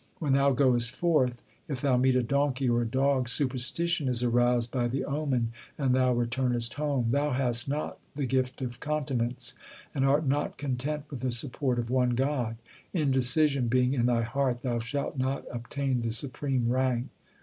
When thou goest forth, if thou meet a donkey or a dog, superstition is aroused by the omen and thou returnest home. Thou hast not the gift of continence, and art not content with the support of one God ; indecision being in thy heart, thou shalt not obtain the supreme rank.